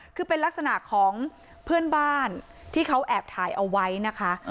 คือเป็นลักษณะของเพื่อนบ้านที่เขาแอบถ่ายเอาไว้นะคะ